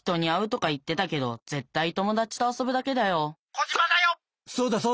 「コジマだよ！」。